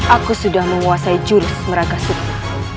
aku sudah menguasai jurus meragasukur